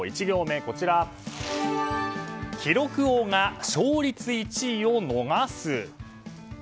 １行目、記録王が勝率１位を逃す。